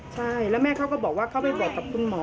ใช่แล้วแม่เขาก็บอกว่าเขาไปบอกกับคุณหมอ